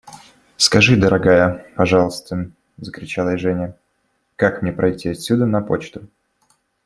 Скажи, дорогая, пожалуйста, – закричала ей Женя, – как мне пройти отсюда на почту?